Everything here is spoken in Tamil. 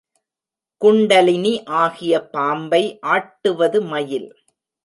குண்டலினி ஆகிய பாம்பை ஆட்டுவது மயில்.